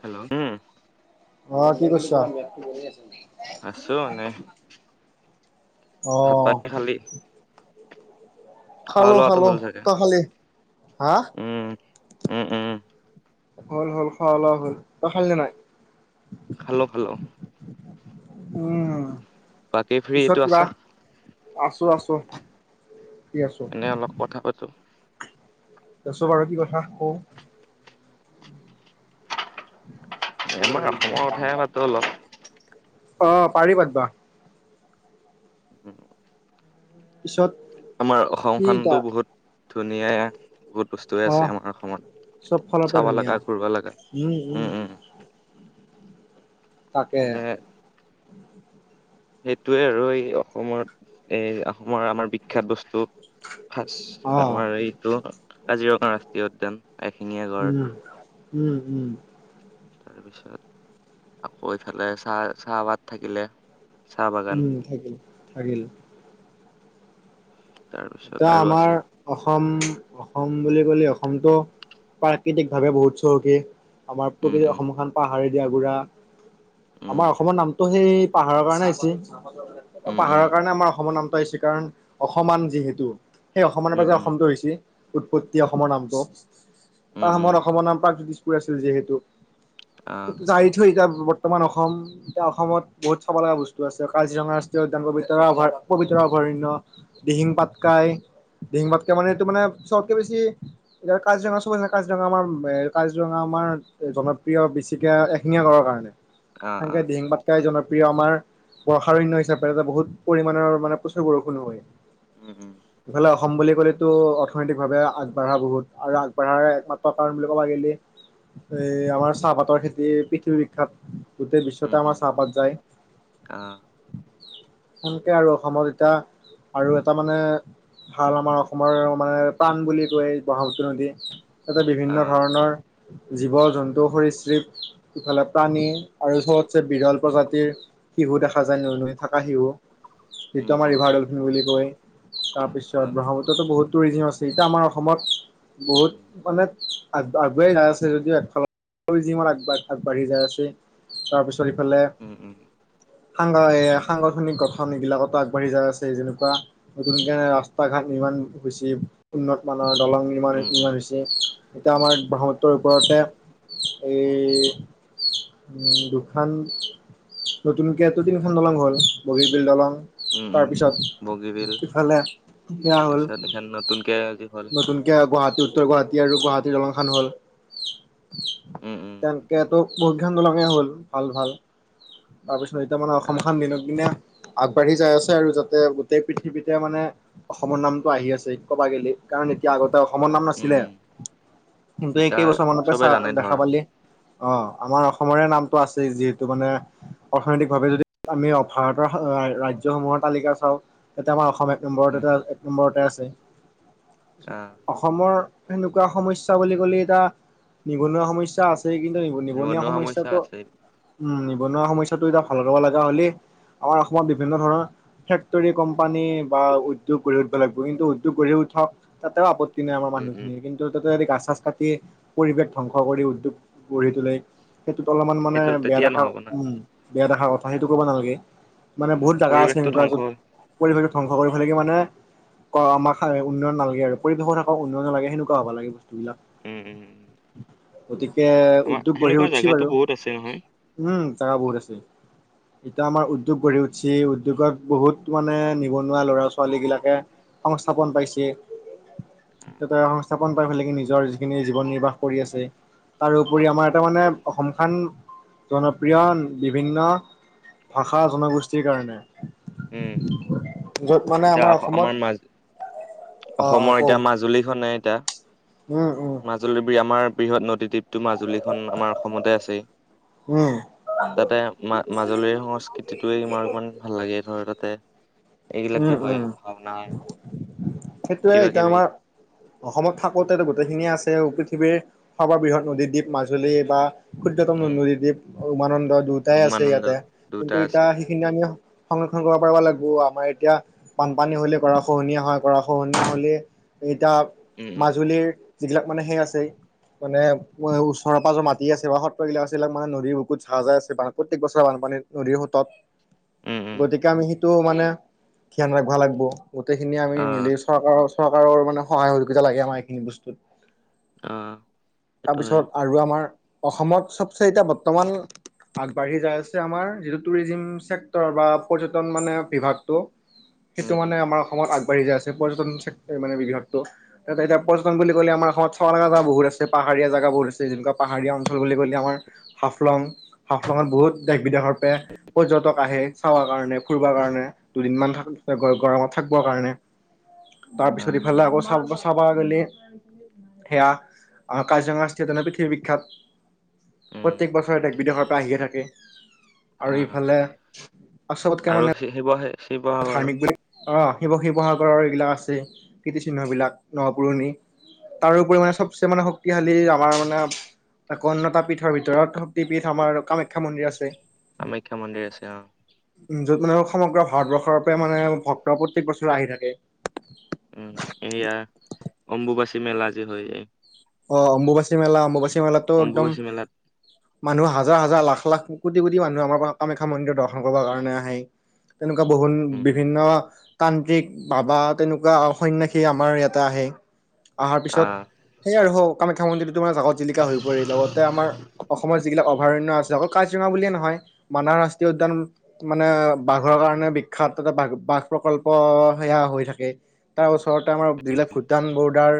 Hello, উম। অ কি কইছ? আছো এনে ভাত পানী খালি? খোৱা খালো লোৱাটো খালো হ'ল চাগে তই খালি? হা? উম উম উম। হল হল খোৱা লোৱা হ'ল। তই খালি নে নাই? খালো খালো। উম, বাকী পিছত ফ্ৰীটো কিবা, আছা আছো আছো। ফ্ৰী আছো এনেই অলপ কথা পাতো। দেচো বাৰু কি কথা কওঁ। এ আমাৰ অসমত সেয়াই মাতটো অলপ। অ পাৰি পাতবা। উম। পিছত - আমাৰ অসমখনতো বহুত ধুনীয়া বহুত বস্ত - ৱে অ আছে আমাৰ অসমত চব ফালৰ পৰা চাব ধুনীয়া লগা, ঘুৰ ব লগা। উম উম। তাকে এনে সেইটোৱে আৰু এই অসমত এই আহোমৰ আমাৰ বিখ্যাত বস্তু - ফাষ্ট অ আমাৰ এইটো কাজিৰঙা ৰাষ্ট্ৰীয় উদ্যান এশিঙীয়া গড়। উম উম উম। তাৰ পিছত আকৌ এইফালে চাহ চাহপাত থাকিলে। চাহ বাগান উম থাকিল থাকিল। তাৰপিছত এতিয়া আৰু আমাৰ আছে - অসম অসম বুলি ক'লে অসমটো প্ৰাকৃতিকভাৱে বহুত চহকী। আমাৰ উম গোটেই উম অসমখন পাহাৰ দি আগুৰা। আমাৰ অসমৰ নামটো সেই - পাহাৰৰ কাৰণে আহিছি উম উম উম পাহাৰৰ কাৰণে আমাৰ অসমৰ নামটো আহিছি কাৰণ অসমান যিহেতু। সেই অসমানৰ উম পৰা যে উম অসমটো হৈছি উৎপত্তি অসমৰ নামটো। এটা উম উম সময়ত অসমৰ নাম প্ৰাক জ্যোতিষপুৰ আছিল যিহেতু, আহ যা এৰি থৈ এতিয়া ব- বৰ্তমান অসম। এতিয়া অসমত বহুত চাব লগা বস্তু আছে কাজিৰঙা ৰাষ্ট্ৰীয় উদ্যান ববিতৰা অভয়া পবিতৰা অভয়াৰণ্য - দিহিং পাতকাই দিহিং পাতকাই মানে এইটো মানে চবতকে বেছি - এতিয়া কাজিৰঙা চাব চাব লাগে কাজিৰঙা আমাৰ কাজিৰঙা আমাৰ জনপ্ৰিয় বেছিকে এহ- এশিঙীয়া গড়ৰ কাৰণে আহ আহ সেনেকে দীহিং পাট- কাই জনপ্ৰিয় আমাৰ বৰ্ষাৰণ্য হিচাপে এটা বহুত পৰিমাণৰ মানে প্ৰচুৰ বৰষুণ হয়। উম উম। ইফালে অসম বুলি ক'লেতো অৰ্থনৈতিকভাৱে আগবাঢ়া বহুত আৰু আগবাঢ়াৰ একমাত্ৰ কাৰণ বুলি ক'ব গ'লে - এই আমাৰ চাহপাতৰ খেতি পৃথিৱী বিখ্যাত - গোটেই উম বিশ্বতে উম আমাৰ চাহপাত যায়। আহ সেনকে আৰু অসমত এতিয়া আৰু এ- টা মানে ভাল আমাৰ অসমৰ মানে প্ৰাণ বুলি কয় ব্ৰহ্মাপুত্ৰ নদী। তাতে বিভিন্ন আহ ধৰণৰ - জীৱ জন্তু সৰিশ্ৰিপ ইফালে প্ৰাণী আৰু চবতছে বিৰল প্ৰজাতিৰ - শিশু দেখা যায় নৈ নৈ থকা শিশু যিটো উম আমাৰ উম ৰিভাৰ ডলফিন বুলি কয়। তাৰপিছত আহ ব্ৰহ্মপুত্ৰতো বহুত টুৰিজিম আছে এতিয়া আমাৰ অসমত উম উম বহুত মানে আগবাঢ়ি যায় আছে যদিও একফালৰ টুৰিজিমত আগবাঢ়ি যাই আছে তাৰপিছত ইফালে উম সাংগ সাংগঠনিক গঠন এইগিলাকতো আগবাঢ়ি যায় আছে যেনেকুৱা নতুনকে ৰাস্তা ঘাট নিৰ্মাণ হৈছে উন্নত মানৰ দলং নিৰ্মাণ উম উম উম হৈছে - এতিয়া আমাৰ ব্ৰহ্মপুত্ৰ ওপৰতে এ উম দুখন নতুনকেটো তিনিখন দলং হল বগিবিল দলং উম উম উম তাৰপিছত বগীবিল ইফালে সেয়া হ'ল তাৰপিছত এখন নতুনকে আজি হ'ল নতুন গুৱাহাটী উত্তৰ গুৱাহাটী আৰু গুৱাহাটীৰ দলং খান হল উম উম তেনেকেতো বহুত কেইখন দলং এ হ'ল ভাল ভাল তাৰপিছত এতিয়া মানে আহ অসমখন দিনক দিনে আগবাঢ়ি যাই আছে আৰু যাতে গোটেই পৃথিৱীতে মানে অসমৰ নামটো আহি আছে কব গেলে। কাৰণ এতিয়া আগতে অসমৰ নাম উম নাছিলে উম কিন্তু এই ইতা কেইবছৰ মানৰ পৰা চ চবে জানে দেখা ধৰ পালি অ আমাৰ অসমৰে নামটো আছে যিহেতু মানে অৰ্থনৈতিক ভাৱে যদি আমি ভাৰতৰ ৰাজ্যসমূহৰ তালিকা চাওঁ এতে আমাৰ অসম এক নম্বৰতে উম উম এক নম্বৰতে আছে। আহ অসমৰ সেনেকুৱা সমস্যা বুলি ক'লে এতিয়া নিবনুৱা সমস্যা আছেই কিন্তু - নিবনুৱা সমস্যা সমস্যাটো আছে উম নিবনুৱা সমস্যাটো এটিয়া ভাল কৰিব লগা হ'লে আমাৰ অসমত বিভিন্ন ধৰণৰ ফেক্টৰী কম পানী বা উদ্যোগ গৰি উঠা লাগিব কিন্তু উদ্যোগ গঢ়ি উঠক তাতেও আপত্তি নাই আমাৰ উম উম মানুহখিনিৰ কিন্তু জতে ততে যদি গাছ চাছ কাটি পৰিৱেশ ধ্বংস কৰি উদ্যোগ গঢ়ি তোলে, সেইটোত অলপমান মানে সেইটো বেয়া তেতিয়া দেখা নহ'ব না উম বেয়া দেখাৰ কথা সেইটো কৰিব নালাগে। মানে উম বহুত জেগা আছে পৰিৱেশটো এনেকুৱা ধ্বংস যত হ'ল। পৰিৱেশটো ধ্বংস কৰিব লাগে মানে অ আমাক উন্নয়ন নালাগে আৰু পৰিৱেশো থাকক উন্নয়নো লাগে সেনেকুৱা হ'ব লাগে বস্তু বিলাক। উম উম উম গতিকে আমাৰ উদ্যোগ গঢ়ি সেনেকুৱা উঠিছে জেগাতো বাৰু। বহুত আছে নহয়। উম জাগা বহুত আছে এতিয়া আমাৰ উদ্যোগ গঢ়ি উঠিছে উদ্যোগত বহুত, মানে নিবনুৱা ল'ৰা ছোৱালীবিলাকে সংস্থাপন পাইছে। সংস্থাপন পাইফেলে নিজৰ যিখিনি জীৱন নিৰ্বাহ কৰি আছে তাৰ অ উপৰি আমাৰ তাৰ মানে অসমখন জনপ্ৰিয় বিভিন্ন ভাষা জনগোষ্ঠীৰ কাৰণে উম য'ত মানে এতিয়া অসমত আমাৰ মাজ অ', অ', অসমৰ কওঁ এতিয়া মাজুলী খনে এতিয়া উম উম মাজুলী বি আমাৰ বৃহৎ নদী দ্বীপ। টো মাজুলীখন আমাৰ অসমতে আছেই উম, তাতে মা মাজুলীৰ সংস্কৃতিটোৱে মাৰ ইমান ভাল লাগে ধৰ তাতে এইবিলাক উম, যে হয় উম, ভওনা সেইটোয়ে কিবা এতিয়া কিবি আমাৰ - অসমত থাকোতেটো গোটেইখিনিয়ে আছে আৰু পৃথিৱীৰ সৰ্ববৃহৎ নদীদ্বীপ মাজুলী বা ক্ষুদ্যতম উম নদীদ্বীপ উমানন্দ দ্বীপ এটাই আছে উমানন্দ ইয়াতে দুটা কিন্তু আছে এতিয়া সেইখিনি আমি সংৰক্ষণ কৰিব পাৰিব লাগিব আমাৰ এতিয়া বানপানী হ'লে গৰাখহনীয়া হয় গৰাখহনীয়া হ'লে এতিয়া উম উম মাজুলীৰ যিবিলাক মানে সেই আছে মানে ও ওচৰে পাজৰে মাটি আছে বা সত্ৰবিলাক আছে এইবিলাক মানে নদীৰ বুকুত যাহ যায় আছে প্ৰত্যেক বছৰে বানপানীত নদীৰ সোঁতত উম উম গতিকে, আমি সেইটো মানে ধ্যান ৰাখিব লাগিব। গোটেইখিনিয়ে আমি অ মিলি চৰকাৰৰ চৰকাৰৰ মানে সহায় সহযোগিতা লাগে আমাৰ এইখিনি বস্তুত। অ সেইটো তাৰপিছত হয় আৰু আমাৰ অসমত চবচে এতিয়া বৰ্তমান আগবাঢ়ি যাই আছে আমাৰ যিটো টুৰিজিম চেক্টৰ বা পৰ্যটন মানে বিভাগ টো উম সেইটো উম মানে আমাৰ অসমত আগবাঢ়ি যায় আছে। পৰ্যটন চেক মানে বিভাগটো। তাতে এতিয়া পৰ্য্যটন বুলি ক'লে আমাৰ অসমত চাব লগা জেগা বহুত আছে, পাহাৰীয়া জেগা বহুত আছে। যেনেকুৱা পাহাৰীয়া অঞ্চল বুলি ক'লে আমাৰ হাফলং হাফলঙত বহুত দেশ বিদেশৰ পৰা পৰ্যটক আহে চাব কাৰণে, ফুৰিব কাৰণে। দুদিনমান থাক গ গৰমত থাকিব কাৰণে। অ তাৰপিছত ইফালে আকৌ চাব চাব চাব গ'লে সেয়া আ কাজিৰঙা ষ্টেট এনে পৃথিৱী বিখ্যাত। উম প্ৰত্যেক বছৰে দেশ বিদেশৰ পৰা আহিয়ে থাকে। অ আৰু এইফালে আ চবতকে মানে শি শিৱহে ধাৰ্মিক বুলি অঁ, শিৱ শিৱসাগৰৰ এইবিলাক আছে কীৰ্তিচিহ্ন বিলাক ন পুৰণি। তাৰোপৰি মানে চবচে মানে শক্তিশালী আ মাৰ মানে, এক অন্য এটা পীঠৰ ভিতৰত শক্তি পীঠ আমাৰ কামাখ্যা মন্দিৰ আছে। কামাখ্যা মন্দিৰ আছে অঁ। য'ত মানে স সমগ্ৰ ভাৰতবৰ্ষৰ পৰাই মানে ভক্ত প্ৰত্যেক বছৰে আহি থাকে। উম, এইয়া অম্বুবাচী মেলা যে হয় এই অঁ, অম্বুবাচী মেলা, অম্বুবাচী মেলাত্টো একদম অম্বুবাচী মেলাত মানুহ হাজাৰ হাজাৰ লাখ লাখ কো কোটি কোটি মানুহ আমাৰ পৰা কামাখ্যা মন্দিৰ দৰ্শন কৰিব কাৰণে আহে। তেনেকুৱা বহুন উম উম বিভিন্ন তান্ত্ৰিক বা বা তেনেকুৱা সন্ন্যাসী আমাৰ এটা হেৰি আহাৰ পিছত আহ সেইয়ে আৰু হওক, কামাখ্যা মন্দিৰটো তোমাৰ জাকত-জিলিকা হৈ পৰিল লগতে আমাৰ অসমত যিবিলাক অভয়াৰণ্য আছে অকল কাজিৰঙা বুলিয়ে নহয়, মানাহ ৰাষ্ট্ৰীয় উদ্যান মানে বাঘৰ কাৰণে বিখ্যাত তাতে বাঘ বাঘ প্ৰকল্প সেয়া হৈ থাকে। তাৰ ওচৰতে আমাৰ যিবিলাক ভূটান ব'ৰ্ডাৰ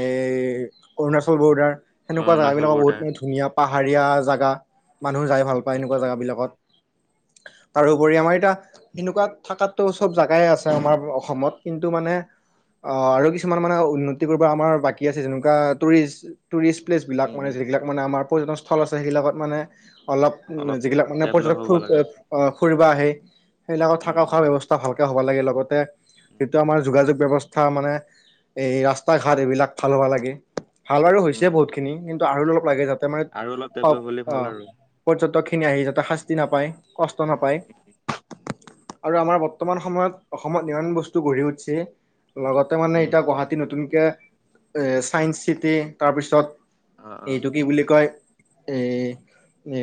এই অৰুণাচল ব'ৰ্ডাৰ সেনেকুৱা জেগা অৰুণাচল বিলাকো বৰ্ডাৰ বহুত মানে ধুনীয়া, পাহাৰীয়া জেগা মানুহ যাই ভাল পায় এনেকুৱা জেগাবিলাকত। তাৰোপৰি আমাৰ এতিয়া এনেকুৱা থাকাত্টো চব জেগাই আছে আমাৰ অ অসমত কিন্তু মানে আঁ আৰু কিছুমান মানে উন্নতি কৰিব আমাৰ বাকী আছে যেনে কা টুৰিষ্ট, টুৰিষ্ট প্লেচ বিলাক উম মানে উম যিবিলাক মানে আমাৰ পৰ্যটন স্থল আছে। সেইবিলাকত মানে অলপ উম যিবিলাক মানে ডেভলপ পৰ্যটক ফু হ'ব লগা এ আছে আ ফুৰিব আহে। সেইবিলাকত উম থকা, উম খোৱা ব্যৱস্ স্থা ভালকে হ'ব লাগে লগতে উম যিটো আমাৰ যোগাযোগ ব্যৱস্থা মানে এই ৰাস্তা-ঘাট এইবিলাক ভাল হব লাগে। ভাল বাৰু উম হৈছে উম বহুতখিনি কিন্তু আৰু অলপ লাগে যাতে মানে আৰু অলপ অক্ ডেভলপ হ'লে ভাল অঁ। আৰু পৰ্যটকখিনি আহি যাতে শাস্তি নাপায়, কষ্ট নাপায়। আৰু আমাৰ বৰ্তমান সময়ত অসমত যিমান বস্তু গঢ়ি উঠিছে লগত তে মানে উম এতিয়া গুৱাহাটী নতুনকে এহ চাইন্স চিটি তাৰপিছত আঁ, আঁ। এইটো কি বুলি কয় এ এ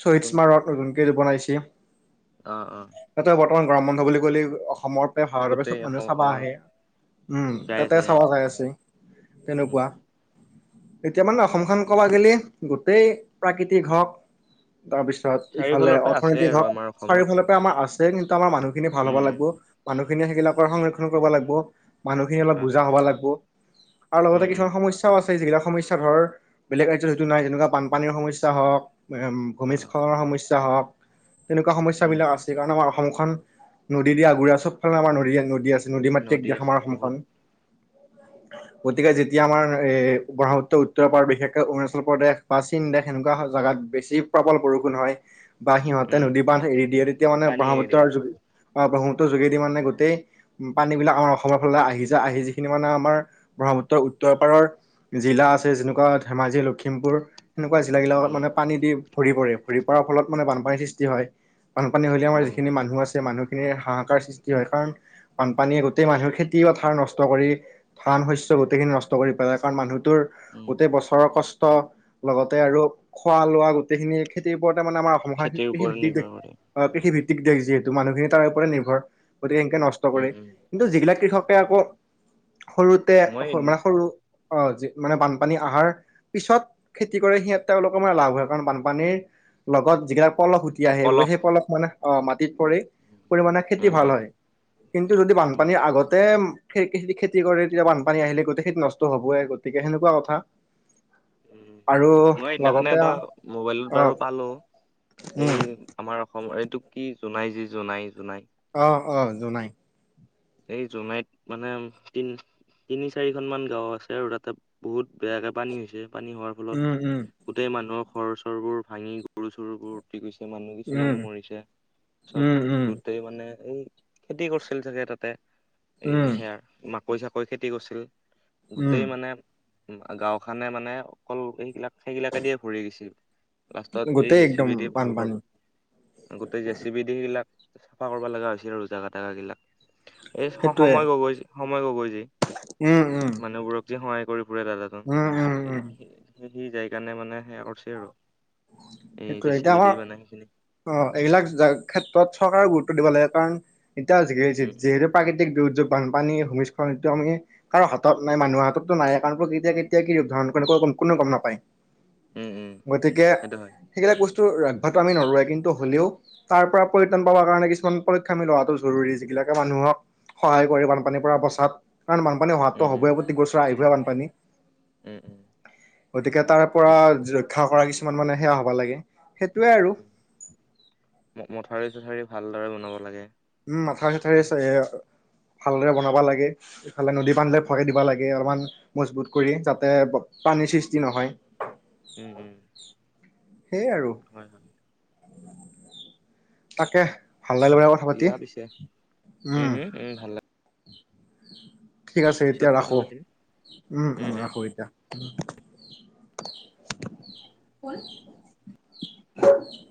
শ্বহীদ কোন স্মাৰক নতুনকে যে বনাইছে অঁ, অঁ। তাতে বৰ্তমান গৰম বন্ধ বুলি ক'লেই অসমত তাতে ভাৰতৰ পৰা গোটেই চব মানুহে অসম চাব অ আহে। উম, তাতে চাব যাই আছে উম তেনেকুৱা। এতিয়া মানে অসমখন ক'বা গ'লে গোটেই প্ৰাকৃতিক হওক তাৰপিছত ইফালে চাৰিওফালৰ পৰা আছে অৰ্থনৈতিক আৰু হওক আমাৰ অসমত চাৰিওফালে আমাৰ আছে কিন্তু আমাৰ মানুহখিনি ভাল উম হ'ব উম লাগব মানুহখিনিয়ে সেইবিলাকৰ সংৰক্ষণ কৰিব লাগব। মানুহখিনি অ অলপ বুজা হ'ব লাগব। আৰু উম লগতে উম কিছুমান সমস্যাও আছে যিবিলাক সমস্যা ধৰ বেলেগ ৰাজ্যত যিটো নাই যেনেকুৱা বানপানীৰ সমস্যা হওক উম, অ ভূমিস্খলনৰ সমস্যা হওক তেনেকুৱা উম সমস্যাবিলাক আছে কাৰণ আমাৰ অসমখন নদী দি আগুৰা চবফালে আমাৰ নদী নদী আছে নদী মাতৃক দিয়া আছে আমাৰ বহুত অসমখন। গতিকে যেতিয়া আমাৰ এ ব্ৰহ্মপত্ৰ উত্তৰ পাৰ বিশেষকে অৰুণাচল প্ৰদেশ বা চীন দেশ এনেকুৱা জাগাত বেছি প্ৰবল বৰষুণ হয় বা সিহঁতে উম নদী বান্ধ এৰি দিয়ে তেতিয়া মানে পানী এৰি দিয়ে ব্ৰহ্মপুত্ৰৰ ব্ৰক্ষ্মপুত্ৰৰ যোগেদি মানে গোটেই পানী বিলাক আমাৰ অসমৰ ফালে আহি যা আহি যিখিনি মানে আমাৰ ব্ৰহ্মপুত্ৰ উত্তৰ পাৰৰ জিলা আছে যেনেকুৱা ধেমাজি, লখিমপুৰ সেনেকুৱা জিলাবিলাকত উম মানে পানী দি ভৰি পৰে ভৰি পৰাৰ ফলত মানে বানপানীৰ সৃষ্টি হয়। বানপানী হলে অ আমাৰ যিখিনি মানুহ আছে মানুহ হাহাকাৰ সৃষ্টি হয় কাৰণ বানপানীয়ে গোটেই মানুহ খেতি পথাৰ নষ্ট কৰি ধান শস্য গোটেই খিনি নষ্ট কৰি পেলাই কাৰণ মানুহটোৰ উম গোটেই বছৰ বৰ কষ্ট লগতে আৰু খোৱা লোৱা সেইখিনি খেতিৰ ওপৰতে মানে আমাৰ অসমখন খেতিৰ ওপৰত [unintelligible] নিৰ্ভৰ কৰে অ', কৃষি ভিত্তিক দেশ যিহেতু মানুহখিনি তাৰ ওপৰতে নিৰ্ভৰ গতিকে এনকে নষ্ট উম কৰে উম কিন্তু যিগিলাক কৃষকে আকৌ সৰুতে মই মানে সৰু অ', মানে বানপানী আহাৰ পিছত খেতি কৰে সিহঁত তেওঁলোকৰ মানে লাভ হয় কাৰণ বানপানীৰ লগত যিগিলাক পলস তিয়া সেই - সেই পলস মানে অ, মাটিত পৰি উম পৰিমাণে উম খেতি ভাল উম হয়। কিন্তু যদি বানপানীৰ আগতে খদি খেতি কৰে তেতিয়া বানপানী পানী আহিলে গোটেইখিন নষ্ট হবই গতিকে সেনেকুৱা কথা। উম, আৰু মই সেইদিনাখনে লগতে এটা মোবাইল অ বাৰু পালো এই উম আমাৰ অসম এইটোক কি জোনাই যি জোনাই - জোনাই অ', অ', জোনাই এই জোনাইত মানে তিন তিনি চাৰিখনমান গাঁও আছে আৰু তাতে বহুত বেয়াকে পানী হৈছে পানী হোৱাৰ ফলত উম উম গোটেই মানুহৰ ঘৰ চৰবোৰ ভাঙি গৰু চৰুবোৰ কিছো মানুহ, কিছো উম মানুহ মৰিছে চত উম উম দুটই মানে এই খেতি কৰছিল চাগে তাতে এই উম সেয়া মাকৈ চাকৈ খেতি কৰছিল। উম গোটেই মানে গাওঁখনেই মানে অকল সেইগিলাক সেইগিলাকে দিয়ে ভৰি গৈছিল। লাষ্টত এই গোটেই জে চি একদম পি দি ভাল বানপানী কৰোঁ গোটেই জেচি বি দি সেইগিলাক চাফা কৰবা লাগা হৈছিল আৰু জাগা তাগা গিলাক। এই সেইটোয়ে সময় গগৈ, সময় গগৈ যে উম, উম, মানুহবোৰক যে সহায় কৰি ফুৰে দাদাজন উম উম এ উম সেই সি যায় কেণে মানে সেয়া কৰছে আৰু এই সেইটোয়ে জে চি এতিয়া বি দি আমাৰ মানে সেইখিনি অ', এইবিলাক ক্ষেত্ৰত চৰকাৰে গুৰুত্ব দিব লাগে কাৰণ এতিয়া যি যি উম যিহেতু প্ৰাকৃতিক দুৰ্যোগ বানপানী ভূমিস্খলন এইটো আমি কাৰো হাতত নাই মানুহৰ হাততটো নাই প্ৰকৃতিয়ে কেতিয়া কি ৰুপ ধাৰণ কোনো গম নাপায়। উম উম গতিকে সেইটো হয় সেইগিলাক বস্তু ৰাখবাটো আমি নৰোৱে কিন্তু হ'লেও তাৰ পৰা পৰিত্ৰাণ পাব কাৰণে কিছুমান পৰীক্ষা মিল হোৱাটো জৰুৰী যিগিলাকে মানুহক সহায় কৰি বানপানীৰ পৰা বচাত কাৰণ বানপানী উম হোৱাততো হবই প্ৰতিক বছৰে আহিবয়ে বানপানী। এ এহ। গতিকে তাৰ পৰা ৰক্ষা কৰা কিছুমান মানে সেয়া হ'বা লাগে সেইটোৱে আৰু। উম ম মথাউৰি চথাৰি ভালদৰে বনাব লাগে। উম মাথাউৰি চাথাউৰি ভালদৰে বনাব লাগে। এইফালে নদী উম পানীলে ভৰা দিবা লাগে অলপমান। মজবুত কৰি যাতে পানীৰ সৃষ্টি নহয়। ওম ওম। সেই আৰু। হয় হয়। তাকে ভাল নাই লগা কথা পাতি। দিয়া পিছে উম হম উম ভালে। ঠিক আছে এতিয়া পিছত কথা ৰাখো পাতিম উম উম ৰাখো এতিয়া। [unintelligible]